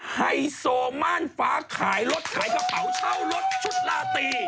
ไฮโซม่านฟ้าขายรถขายกระเป๋าเช่ารถชุดลาตี